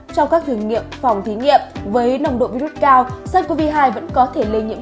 trong các thử nghiệm phòng thí nghiệm với nồng độ virus cao sars cov hai vẫn có thể lây nhiễm